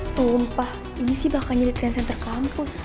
sumpah ini sih bahkan jadi trend center kampus